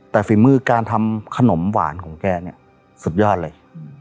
แต่ฝีมือการทำขนมหวานของแกเนี่ยสุดยอดเลย